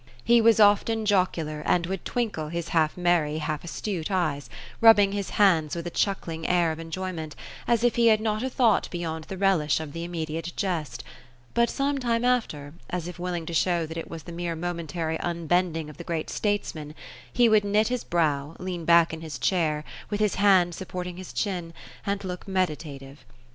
He was often jocular, and would twinkle his half merry, half astute eyes, rubbing his hands with a chuckling air of x^njoyment, as if he had not a thought beyond the relish of the imme diate jest ; but, some time after, as if willing to show that it was the mere momentary unbending of the great statesman, he would knit his brow, lean back in his chair, with his hand supporting his chin, and look meditative.